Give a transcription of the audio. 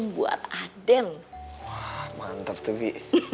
wah mantap tuh bi